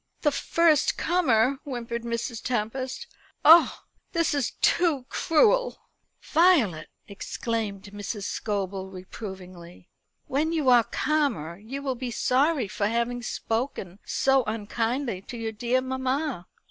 "The first comer!" whimpered Mrs. Tempest. "Oh, this it too cruel!" "Violet!" exclaimed Mrs. Scobel reprovingly, "when you are calmer you will be sorry for having spoken so unkindly to your dear mamma."